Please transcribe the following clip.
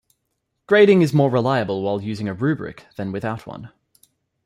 Grading is more reliable while using a rubric than with out one.